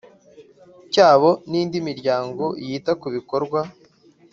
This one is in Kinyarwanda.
Cyabo n indi miryango yita ku bikorwa